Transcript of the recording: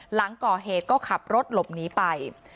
หลังก่อเหตุก็ขับรถหลบหนีไป